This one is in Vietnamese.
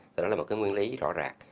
thì đó là một cái nguyên lý rõ ràng